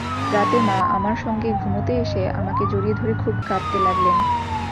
রাতে মা আমার সঙ্গে ঘুমুতে এসে আমাকে জড়িয়ে ধরে খুব কাঁদতে লাগলেন।